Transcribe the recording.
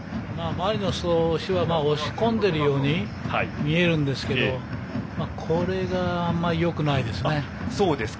マリノスは押し込んでいるように見えるんですけどこれがあまりよくないですね。